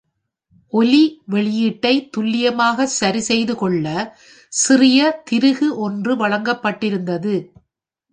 ஒலி வெளியீட்டை துல்லியமாக சரி செய்துக்கொள்ள சிறிய திருகு ஒன்று வழங்கப்பட்டிருந்தது.